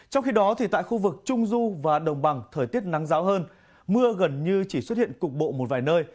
trong khi đó tại khu vực trung du và đồng bằng thời tiết nắng ráo hơn mưa gần như chỉ xuất hiện cục bộ một vài nơi